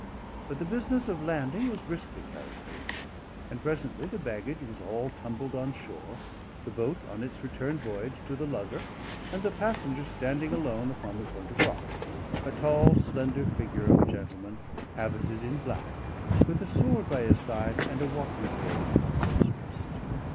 But the business of landing was briskly carried through; and presently the baggage was all tumbled on shore, the boat on its return voyage to the lugger, and the passenger standing alone upon the point of rock, a tall slender figure of a gentleman, habited in black, with a sword by his side and a walking cane upon his wrist.